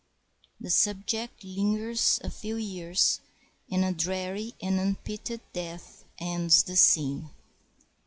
The subject lingers a few years, and a dreary and unpitied death ends the scene.